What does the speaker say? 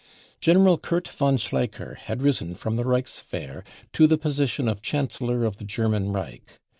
General Kurt von Schleicher had risen from the Reich swehr to the position of Chancellor of the German Reich.